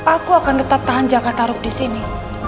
aku akan tetap tahan jakarta rup disini